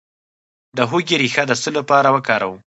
د هوږې ریښه د څه لپاره وکاروم؟